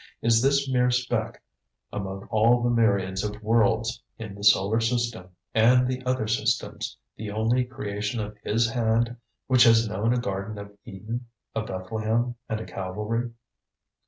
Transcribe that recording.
Is this mere speck among all the myriads of worlds in the solar system, and the other systems, the only creation of His hand which has known a Garden of Eden, a Bethlehem, and a Calvary?